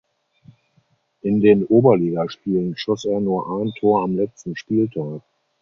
In den Oberligaspielen schoss er nur ein Tor am letzten Spieltag.